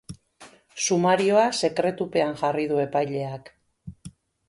Sumarioa sekretupean jarri du epaileak.